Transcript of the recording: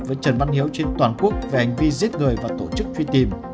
với trần văn hiếu trên toàn quốc về hành vi giết người và tổ chức truy tìm